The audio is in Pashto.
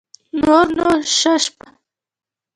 نور نو شه شپه